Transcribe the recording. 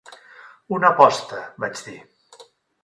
"Una aposta", vaig dir.